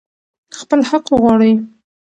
خپل حق وغواړئ.